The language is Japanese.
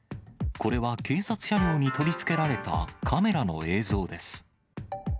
これは警察車両に取り付けられたカメラの映像です。